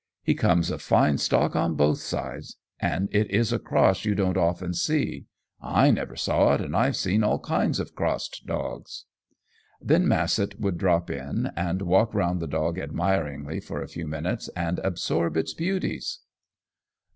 He comes of fine stock on both sides, and it is a cross you don't often see. I never saw it, and I've seen all kinds of crossed dogs." Then Massett would drop in and walk around the dog admiringly for a few minutes and absorb his beauties.